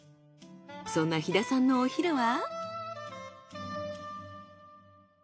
そんな飛田さんのお昼は？